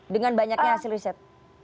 dengan banyaknya hasil riset